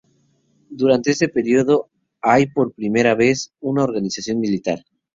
Durante este periodo hay por primera vez una organización militar.